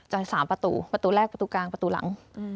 ๓ประตูประตูแรกประตูกลางประตูหลัง